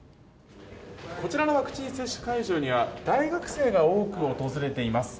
こちらのワクチン接種会場には大学生が多く訪れています。